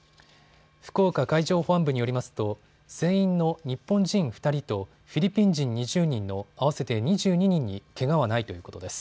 福岡海上保安部によりますと船員の日本人２人とフィリピン人２０人の合わせて２２人にけがはないということです。